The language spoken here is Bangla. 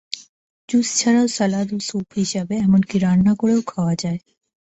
জুস ছাড়াও সালাদ ও স্যুপ হিসেবে, এমনকি রান্না করেও খাওয়া যায়।